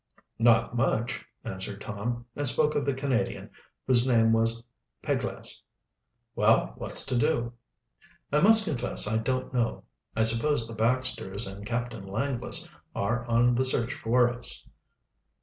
"Not much!" answered Tom, and spoke of the Canadian, whose name was Peglace. "Well, what's to do?" "I must confess I don't know. I suppose the Baxters and Captain Langless are on the search for us."